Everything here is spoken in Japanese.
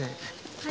はい。